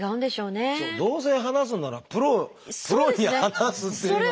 どうせ話すならプロに話すっていうのがね。